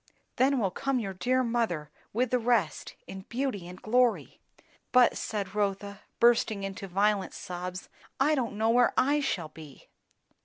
Then will come your dear mother, with the rest, in beauty and glory." "But," said Rotha, bursting out into violent sobs, "I don't know where I shall be!"